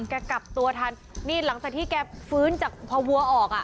กลับตัวทันนี่หลังจากที่แกฟื้นจากพอวัวออกอ่ะ